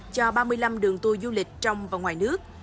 cho ba mươi năm đường tour du lịch trong và ngoài nước